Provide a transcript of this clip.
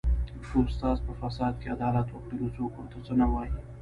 که استاد په فساد کې عدالت وکړي نو څوک ورته څه نه وايي